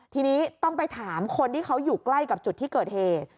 ทีนี้ต้องไปถามคนที่เขาอยู่ใกล้กับจุดที่เกิดเหตุ